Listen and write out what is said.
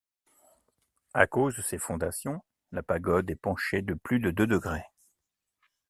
À cause de ses fondations, la pagode est penchée de plus de deux degrés.